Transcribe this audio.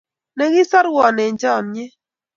Ne kisoruo eng' chamnyet